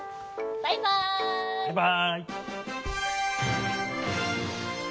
バイバイ。